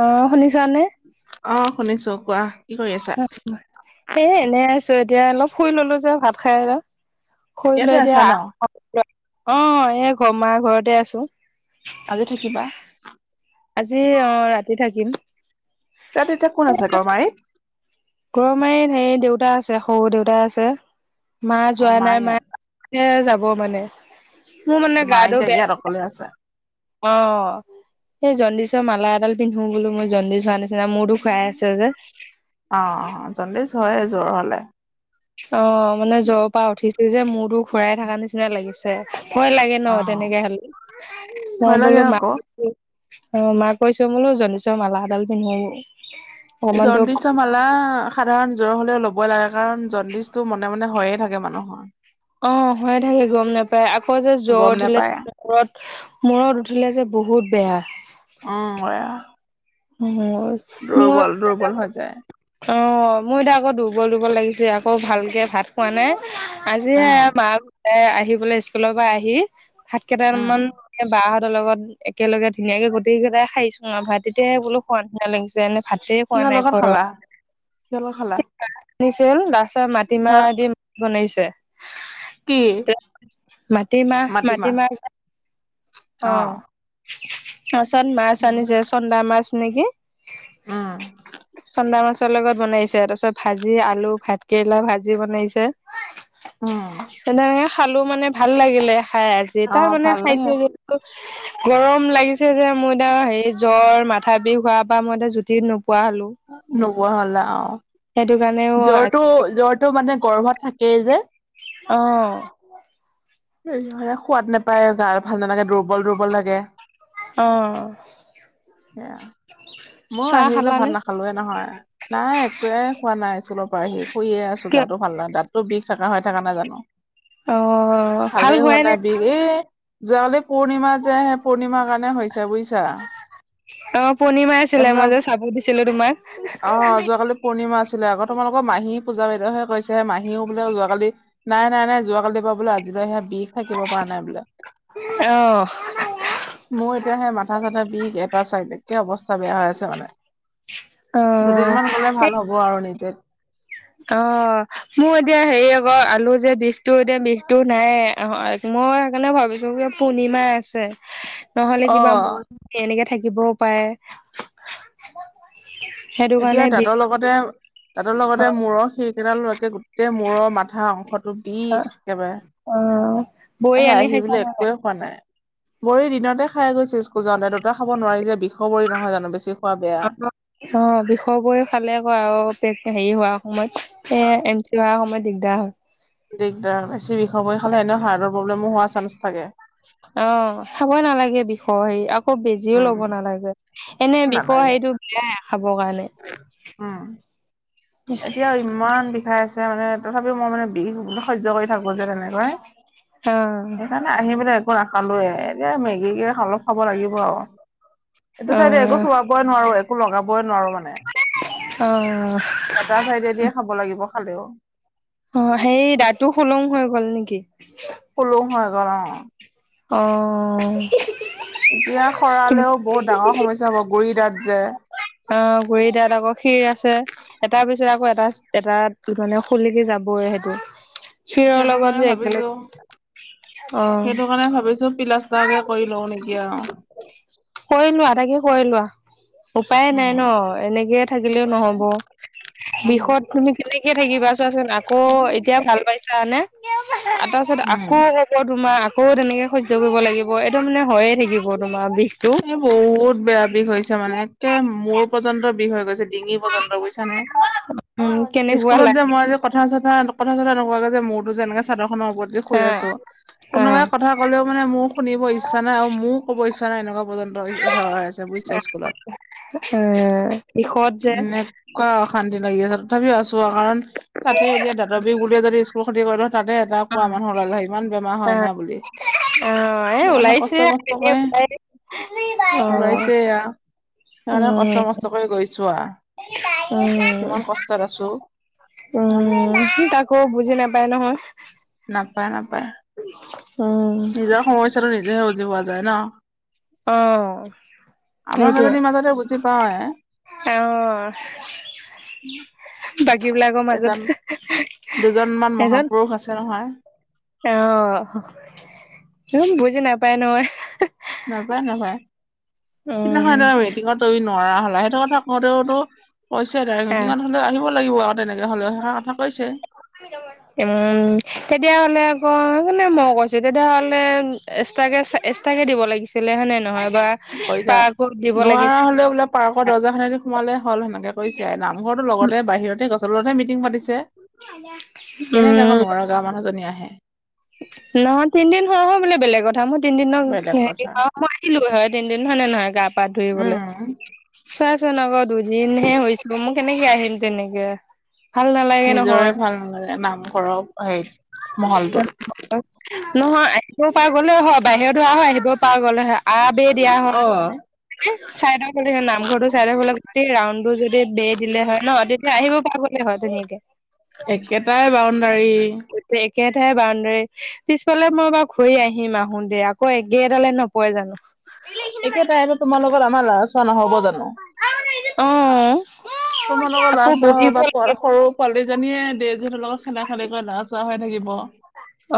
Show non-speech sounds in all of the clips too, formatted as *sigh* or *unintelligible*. আহ শুনিছানে? অ শুনিছো, কোৱা। কি কৰি আছা এ এনে আছো এতিয়া অলপ শুই ললো যে ভাত খাই কৰি লৈ ইয়াতে আছা এতিয়া ন আহ অ এ মাৰ ঘৰতে আছো। আজি থাকিবা আজি অঁ ৰাতি থাকিম তাত এতিয়া কোন আছে গৰমাৰীত। গৰৈমাৰীত হেৰি দেউতা আছে সহুৰ দেউতা আছে মা অ যোৱা মা নাই মায়ে ইয়াত সেয়া যাব মানে মোৰ মানে মা গাটো এতিয়া বেয়া ইয়াত অকলে আছে অঁ সেই জণ্ডিছৰ মালা এডাল পিন্ধো বোলো মই জণ্ডিছ হোৱা নিচি চিনা মূৰতো খাই আছে যে। হয়য়ে জ্বৰ হ'লে। অ' মানে জ্বৰৰ পৰা উঠিছো যে মূৰতো ঘুৰাই থকা নিচিনা লাগিছে। ভয় লাগে ন অ তেনেকে হলে, ভয় মই লাগে বোলো ম আকৌ অ' মা'ক কৈছো বোলো জণ্ডিছৰ মালা এডাল পিন্ধো অকমান দূৰ জণ্ডিছৰ মালা সাধাৰণ জ্বৰ হ'লেও ল'বই লাগে কাৰণ জণ্ডিছটো মনে মনে হয়য়ে থাকে মানুহৰ। অ হৈয়ে থাকে গম নোপায়। আকৌ যে জ্বৰ গম উঠিলে নেপায় মূৰত উঠিলে যে বহুত বেয়া। উম হয় আৰু অ ম হৈ যায় *unintelligible* অ' মোৰ এতিয়া আকৌ দুৰ্বল দুৰ্বল লাগিছে, আকৌ ভালকে ভাত খোৱা নাই। আজিয়ে উম মা গোট আহি পেলাই স্কুলৰ পৰা আহি ভাত কেইটাম উম মান বাহ লগত একেলগে ধুনীয়াকে গোটেইকেইতাই খাইছো আৰু ভাত তেতিয়া বোলো খোৱাৰ নিচিনা লাগিছে। এনে ভাত কিহৰ লগত খালা কিহৰ লগত খালা? আনিছিল তাৰপিছত হ মাটিমাহ দি মাছ বনাইছে। কি ত মাটিমাহ মাটিমাহ অ আহ চত মাছ উম আনিছে চন্দা মাছ নেকি উম চন্দা মাছ ছৰ লগত বনাইছে, তাৰ পিছত ভাজি আলু ভাতকেৰেলা ভাজি বনাইছে। উম তেনেকে খালো মানে ভাল লাগিলে। খাই আছে অ তাৰ মানে ভাল লাগে খাইছে যোনতো গৰম লাগিছে যে মইতাৰ হে জ্বৰ মাথা বিষ হোৱাৰ পৰা মই এতিয়া জুতিত নোপোৱা হ'লো। ৱা হ'লে আৰু সেইটো কাৰণেও জ্বৰটো জ্বৰটো মানে গৰ্ভত থাকেই যে। অ' য়ে সোৱাদ নোপায় গাৰ ভাল নালাগে দুৰ্বল দুৰ্বল লাগে। অ' সেয়া আৰু মই চাহ আহি পেলই ভাত খালানে নাখালোৱে নহয়, নাই একোৱে খোৱা নাই স্কুলৰ পৰা আহি শুইয়ে আছো। কিয় গাটো ভাল নহয়, দাঁতো বিষ থকা হৈ থাকা নাই জানো। অ' ভালে ভাল হোৱা হোৱাই নাই বিষ, এ যোৱকালি পূৰ্ণিমা যে হে পূৰ্ণিমাৰ কাৰণে ৰনে হৈছে বুজিছা। অ পূৰ্ণিমা আছিলে মই এইবিলাক যে চাব দিছিলো তোমাক আহ যোৱাকালি পূৰ্ণিমা আছিলে আগত তোমালোকৰ মাহী পূজাবাইদেউহে কৈছে। মাহীও বোলে যোৱাকালি নাই নাই নাই যোৱাকালি পৰা বোলে আজি বিষ থাকিব পৰা নাই বোলে। *unintelligible* মোৰ এতিয়া সেই মাথা চাথা বিষ এটা চাইড একে অৱস্থা বেয়া হৈ আছে মানে। অ দুদিনমান গ'লে ভাল হ'ব আৰু নিজে। অ মোৰ এতিয়া হেৰি আকৌ আলু যে বিষটো এতিয়া বিষটো নাই আহ মই সেইকাৰণে ভাবিছোঁ কি পূৰ্ণিমাই আছে। নহলে অ কিবা মন এনেকে থাকিবও পাৰে। *unintelligible* এতিয়া বিষ দাঁতৰ লগতে দাঁতৰ লগতে মূৰৰ সেই শিৰকেইডাল লৈকে গোটেই। মূৰৰ মাথা অংশটো বিষ একেবাৰে। অ বৈ আহে আনি আহি পেলাই সেইকাৰণে একোৱে খোৱা নাই। বৰি দিনতে খাই গৈছিল স্কুল যাওঁতে, দুটা খাব নোৱাৰি যে ষৰ বৰি নহয় জানো? বেছি খোৱা বেয়া। ষৰ বৰি খালে আকৌ আৰু হেৰি হোৱাৰ সময়ত এ এম চি হোৱাৰ সময়ত দিগদাৰ হয়। দিগদাৰ, বেছি বিষৰ বৰি খালে এনেও হাৰ্টৰ প্ৰব্লেমো হোৱা চান্স থাকে। অ' খাবৈ নালাগে বিষ হেৰি, আকৌ বেজিও লব উম নালাগে। এনেই বিষৰ নালাগে সেইটো বেয়াই খাবৰ কাৰণে। এতিয়াও ইমান বিষাই আছে মানে তথাপিও মই মানে বিষ বোল সহ্য কৰি থাকোঁ যে তেনেকৈ অ সেইকাৰণে আহি। *unintelligible* মই নাখালোঁ এ এনে মেগীকে খালোঁ। হ'ব লাগিব আৰু এইটো অ চাই একো চোৱাবই নোৱাৰোঁ একো লগাবই নোৱাৰোঁ। অ। এটা চাইডে দিয়ে খাব লাগিব খালেও। অ সেই দাঁতটো সুলং হৈ গ'ল নেকি। সুলং হৈ গ'ল। অ। এতিয়া সৰালেও বহুত ডাঙৰ সমস্যা হব গুৰি দাঁত যে। অ গুৰি দাঁত আকৌ শিৰ। এটাৰ পিছত আকৌ এটা এটা মানে সুলুকি যাবই সেইটো। শিৰৰ সেইটো কাৰণে লগত যে একেলগে। ভাবিছো অ সেইটো কাৰণে ভাবিছোঁ। প্লাষ্টাৰকে কৰি লওঁ নেকি আওঁ। কৰি লোৱা তাকে কৰি লোৱা উপায়ে নাই নহ এনেকেই থাকিলেও উপায় নাই নহব। নহ'ব বিষত তুমি কেনেকে থাকিবা চোৱাচোন আকৌ এতিয়া ভাল পাইছানে। আৰু তাৰপিছত উম আকৌ হ'ব তোমাৰ আকৌ তেনেকে সহ্য কৰিব লাগিব এইটো মানে হয়য়ে থাকিব। তোমাৰ বিষটো এই বহুত বেয়া বিষ হৈছে মানে একে মূৰ পৰ্যন্ত বিষ হৈ গৈছে। ডিঙি পৰ্যন্ত বুইছানে উম কেনেকুৱা স্কুলত যে লাগে মই যে কথা। কথা চথা কথা চথা নোকোৱাকে যে মূৰতো এনেকে চাদৰ। খনৰ ওপৰত যে। হা আহ নাই এনেকুৱা পৰ্যন্ত এই এই সেৱা আছে বুইছা স্কুলত। বিষত যে এনেকুৱা অশান্তি লাগি আছে। তথাপিও আছোঁ আৰু কাৰণ তাতে এতিয়া দাঁতৰ বিষ বুলি যদি স্কুল ক্ষতি কৰোঁ। তাতে এটা অ কোৱা মানুহ ওলাল হৈ ইমান বেমাৰ হয় অ না বুলি। অ', এ *unintelligible* ওলাইছে কষ্ট-মষ্ট এনে কৰে। ওলাই অ', ওলাইছে এয়া সেইকাৰণে উম। কষ্ট-মষ্ট কৰি গৈছোঁ আ। উম, কিমান কষ্টত আছোঁ। উম, সি কাকো বুজি নাপায় নহয়। নাপায় নাপায়। *unintelligible* নিজৰ সমস্যাটো নিজেহে বুজি পোৱা যায় নহ। অ। আমাৰ কেইজনীৰ মাজতে বুজি পাওঁৱে সেইটোৱে অ। বাকী বিলাকৰ মাজত এজন দুজনমান এজন। মহাপুৰুষ আছে নহয় অ। বুজি নাপায় নহয়। নাপাই নাপাই সিদিনাখন উম। এটা ৱেটিঙত নোৱাৰা হ'লা সেইটো কথা কওঁতেওঁটো কৈছে তাই আহ, মিটিঙত হ'লে আহিব লাগিব আ উম, তেতিয়াহ'লে আকৌ কোনে মো কৈছে। তেতিয়াহ'লে এক্সট্ৰাকে এক্সট্ৰাকে দিব লাগিছিলে হয়নে নহয়? কৈছা *unintelligible* নোৱাৰা লাগিছিল হলেও বোলে পাৰ্কৰ দৰ্জা খনেদি সোমালে হ'ল সেনেকে কৈছে নামঘৰটো লগতে বাহিৰতে গছ। তলতহে মিটিং পাতিছে কেনেকে উম, আকো' নোৱাৰো গা মানুহজনী আহে। নহয় তিনদিন হৈ গ'ল বোলে বেলেগ কথা মই। তিনদিনক বেলেগ হেৰি কথা মই আহিলোঁ হৈ তিনদিন হয়নে নহয় গা পা ধুই উম হলেওঁ। চোন আকৌ দুদিনহে হৈছিল মই কেনেকে আহিম তেনেকে। ভাল নালাগে নিজৰে নহয় ভাল নালাগে নামঘৰ হেৰিত মহলটোত। নহয়। আহিবও পৰা গ'লে হয়। বাহিৰত হোৱা হয় আহিবও পৰা গ'লে হয়। আঁৰ বেৰ দিয়া অ হয়। চাইদৰ ফালে নামঘৰটোৰ চাইদৰ ফালে গোটেই ৰাউনটো যদি বেৰ দিলে হয় ন তেতিয়া আহিব পৰা গ'লে হয় ধুনীয়াকে। একেটাই বাউণ্ডাৰী। গোটেই একেঠাই বা পিছফালে মই বাৰু ঘূৰি আহিম। আহোতে আকৌ একেডালে নপৰে জানো? একেটাইতো তোমাৰ লগত আমাৰ ল'ৰা চোৱা নহ'ব জানো? অ', তোমালোকৰ ল'ৰা আকৌ চোৱা বহিব হওঁক বা লাগিব সৰু পোৱালীজনীয়ে ডেজীহঁতৰ লগত খোলা-খুলিকৈ ল'ৰা চোৱা হৈ থাকিব।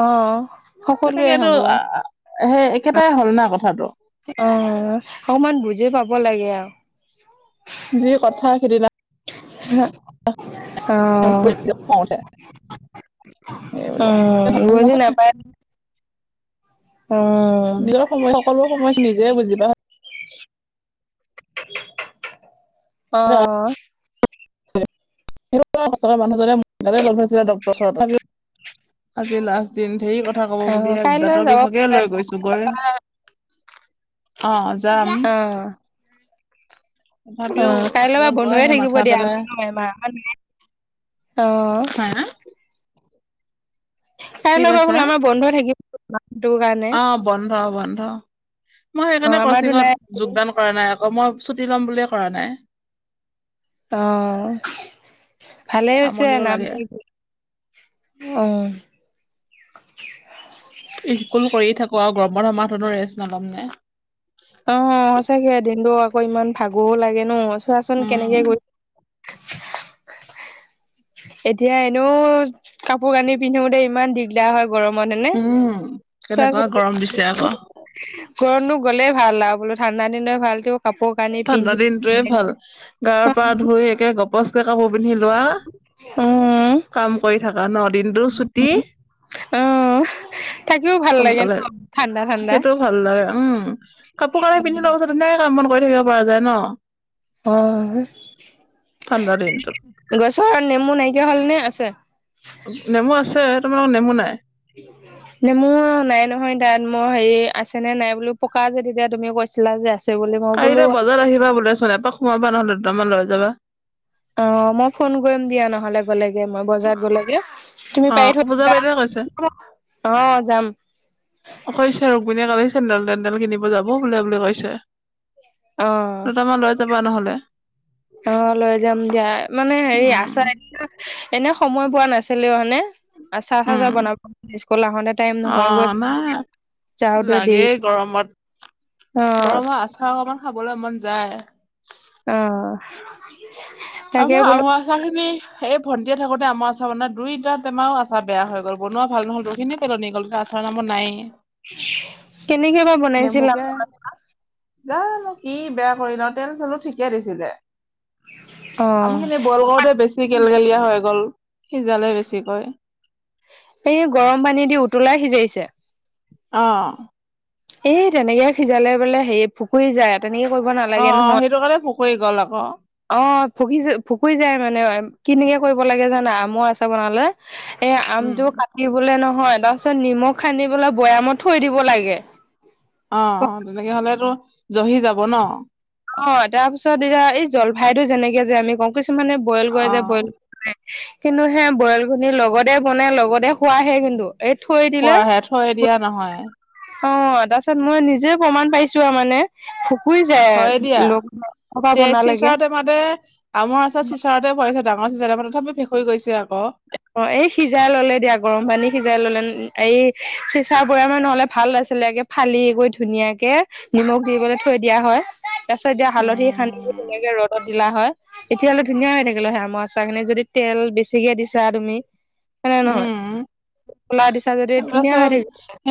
অ', সকলোৱে তেনেকেটো হ'ব আ অ', আ সেই একেটাই হ'ল না কথাটো। অ', অকমান বুজি পাব লাগে আৰু। যি কথা সিদিনা *inaudible* খং উঠে। এইবিলাক অ', ভাল ৰজিয়ে নাপায় নহয়। নিজৰ সময় সকলো সময় নিজে বুজিব। কষ্টকে অহ। মানুহজনে মোক লগ ধৰিছিলে ডক্টৰৰ ওচৰত আজি লাষ্ট দিন, ধেৰ কথা ক'ব অ', বুলিয়ে কাইলৈ দাঁতৰ যাব বিষকে লৈ পাৰিবা। গৈছো। গৈ *inaudible* অ', যাম। অ', তথাপিও অ', কাইলৈ পা স্কুলত গৈ বন্ধয়ে সেই থাকিব মাথা দিয়া ন পেলাই এমাহ। অ'। হা কি কাইলৈ পৰা কৈছা? বোলো আমাৰ বন্ধ থাকিব মাহটোৰ কাৰণে অ', বন্ধ বন্ধ। মই অ', সেইকাৰণে আমাৰতো নাই কচিঙত যোগদান কৰা নাই আকৌ। মই ছুটি লম বুলিয়ে কৰা নাই। অ'। ভালে এ হৈছে আমনিও লাগে নামটো। অ'। *inaudible* ইস্কুল কৰিয়ে থাকো। আৰু গৰম বন্ধ মাহটো ৰেষ্ট নলম নে? অ', সঁচাকে দিনটো আকৌ ইমান ভাগৰো লাগে ন। চোৱাচোন কেনেকে উম, গৈ *inaudible* এতিয়া এনেও কাপোৰ-কানি পিন্ধোতে ইমান দিগদাৰ হয়। গৰমত হয় নে? উম, কেনেকুৱা গৰম দিছে আকৌ গৰমতো গ'লে ভালা বোলো ঠাণ্ডা দিনেই ভালটো কাপোৰ-কানি ঠাণ্ডা পিন্ধি দিনটোৱে ভাল। গাৰ পা ধুই একে গপচকে কাপোৰ পিন্ধি লোৱা। উম কাম কৰি থাকা ন দিনটো চুটি। উম থাকিও ভাল লাগে ন? ঠাণ্ডা ঠাণ্ডা সেইটোও ভাল লাগে উম কাপোৰ কানি পিন্ধি লোৱাৰ পাছত তেনেকে কাম বন কৰি থাকিব পৰা যায় ন। হয় ঠাণ্ডা দিনটোত। গছৰ নেমু নাইকিয়া হলনে আছে? নেমু আছে তোমালোকৰ নেমু নাই? নে মোৰ নাই নহয় দাত মোৰ হেৰি আছে নে নাই বো পকা যে তেতিয়া তুমি কৈছা ছিলা যে আ কাইলৈ বজাৰ আহিবা বোলেচোন। এপাক সোমাবা নহ'লে। দুটামান লৈ যাবা। অ মই ফোন কৰিম দিয়া নহ'লে গ'লে। মই বজাৰত গলগে তুমি অ পাৰি থৈ পূজা বাইদেৱে কৈছে দিবা। অ', যাম। *unintelligible* চেন্দেল-তেণ্ডেল কিনিব যাব বোলে বুলি কৈছে। অ দুটামান লৈ যাবা নহ'লে। অ', লৈ যাম দিয়া মানে হেৰি উম আচাৰ এনে সময় পোৱা নাছিলেও মানে চাহ চাহ চাহ উম বনাব স্কুল আহোতে টাইম অ নহয় গৈ নাই যাওঁতে দেৰি লাগেই গৰমত, অ গৰম আচাৰ অকমান খাবলৈ মন যায়। অ' তাকে আমাৰ বোলো আচাৰ খিনি এই ভণ্টিহ'ত থাকোতে আমৰ আচাৰ বনাই দুইটা টেমাৰও আচাৰ বেয়া হৈ গ'ল বনোৱা ভাল নহল গোতেইখিনি পেলনি গ'ল আচাৰ। জমা মোৰ নাইয়ে কেনেকে বা বনাইছিলা নেমুকে জানো কি বেয়া কৰিলে, তেল চলো ঠিকে দিছিলে। অ আম খিনি বইল কৰোতে বেছি গেলগেলীয়া হৈ গ'ল। সিজালে বেছিকৈ এই গৰম পানী দি উতলাই সিজাইছে। আহ এই তেনেকে সিজালে বোলে হেৰি ভুকুৰি যায়, তেনেকে কৰিব অ নালাগে অ নহয়। সেইটো কাৰণে পকৰি গ'ল আকৌ অ' ভুকি ভুকুৰি যায় মানে, কেনকে কৰিব লাগে জানা আমৰ আচাৰ বনালে এ উম আমটো কাটিবলে ন হয় তাৰপিছত নিমখ সানি পেলাই বৈয়ামত থৈ দিব লাগে। অ' অ' তেনেকে হলেতো জহি যাব ন। অ তাৰ পিছত এতিয়া এই জলফাইতটো যেনেকে যে আমি কওঁ কিছুমানে বইল কৰে অ যে বইল কিন্তু সে বইল খিনি লগতে বন লগতে খোৱাহে কিন্তু। এই থৈ দিলে খোৱাহে থৈয় দিয়া নহয়। অ তাৰপিছত মই নিজে প্ৰমাণ পাইছো আৰু মানে ভুকুৰি যায় হয় দিয়া, লগ পৰা তে বনালেগে চিচাৰটেমাতে আমৰ আচাৰ চিচাৰতে ভৰাইছে। ডাঙৰ হৈছে যে টেমাতো তথাপি ভেকুৰি গৈছে আৰু। অ' এই সিজাই ললে দিয়া গৰম পানী সিজাই ললে এই চিচাৰ বৈয়ামে নহলে ভাল আছিলেগে ফালি গৈ ধুনীয়াকে নিমখ দি পেলাই থৈ দিয়া হয় তাৰ পিছত দিয়া হালধি সানি উম দিলা হয় এতিয়া হ'লে ধুনীয়া হৈ থাকিলে হয় আমৰ আচাৰ খিনি, যদি তেল বেছিকে দিছে ৱা তুমি, হয় নে নহয়? উম ক'লা দিছা যদি ধুনীয়া হৈ থাকিব তাৰপাছত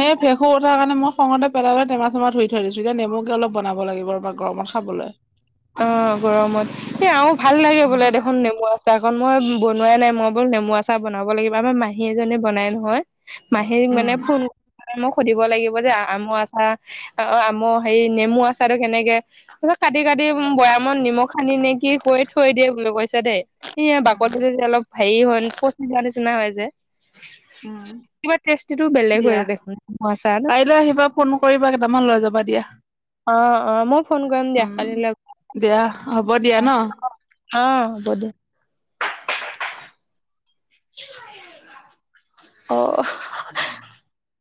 সেই ভেকুৰ উঠাৰ কাৰণে মই খঙতে পেলাই টেমা চেমা ধুই থৈ দিছো। এতিয়া নেমু কে অলপ বনাব লাগিব বা গৰমত খাবলৈ। অ' গৰমত এ আৰু ভাল লাগে বোলে উম দেখোন নেমু আচাৰ। চাৰকণ মই বনোৱাই নাই, মই বল নেমু আচিৰ বনাব লাগিব, আমাৰ মাহী এজনীয়ে বনাই নহয়। মাহীক উম মানে ফোন মোক সুধিব লাগিব যে আমৰ আচাৰ অ আম হেৰি নেমু আচাৰতো কেনেকে কাটি কাটি দি বৈয়ামত নিমখ সানি নে কি কৰি থৈ দিয়ে বুলি কৈছে দে। স উম বাকলটো যে অলপ হেৰি হয় পচি যোৱা নিচিনা হয় যে উম। কিবা টেষ্টিটো বেলেগ দিয়া, হয় দেখোন আচাৰটো কাইলৈ আহিবা ফোন কৰিবা কেইটামান লৈ যাবা দিয়া। অ, অ, মই ফোন কৰিম দিয়া উম কালি অ, দিয়া হ'ব দিয়া ন হ'ব দে। অ *inaudible*